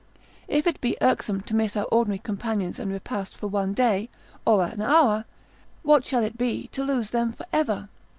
If it be irksome to miss our ordinary companions and repast for once a day, or an hour, what shall it be to lose them for ever?